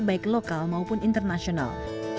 baik lokal maupun internasional